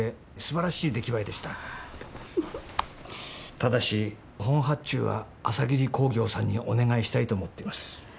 ただし本発注は朝霧工業さんにお願いしたいと思ってます。